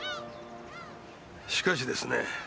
しかしですね